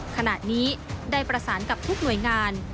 ขณะนี้ได้ประสานกับทุกหน่วยงาน